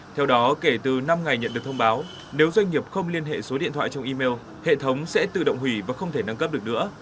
theo đó kể từ năm ngày nhận được thông báo nếu doanh nghiệp không liên hệ số điện thoại trong email hệ thống sẽ tự động hủy và không thể nâng cấp được nữa